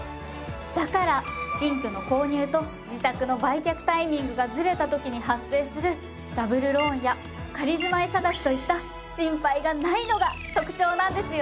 だから新居の購入と自宅の売却タイミングがずれた時に発生するダブルローンや仮住まい探しといった心配がないのが特徴なんですよね。